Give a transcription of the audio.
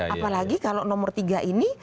apalagi kalau nomor tiga ini